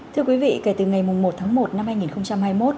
thưa quý vị kể từ ngày một tháng một năm hai nghìn hai mươi một